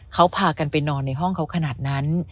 เขาพากันไปนอนในห้องเขาขนาดนั้น